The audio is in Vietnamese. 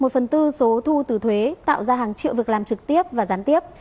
một phần tư số thu từ thuế tạo ra hàng triệu việc làm trực tiếp và gián tiếp